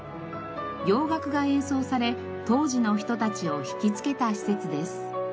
洋楽が演奏され当時の人たちを引きつけた施設です。